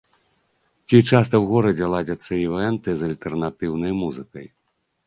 Ці часта ў горадзе ладзяцца івэнты з альтэрнатыўнай музыкай?